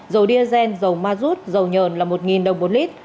dầu diazen dầu ma rút dầu nhờn là một đồng một lít